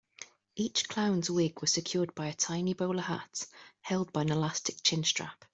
Each clown's wig was secured by a tiny bowler hat held by an elastic chin-strap.